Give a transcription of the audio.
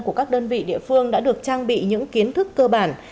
của các đơn vị địa phương đã được trang bị những kiến thức cơ bản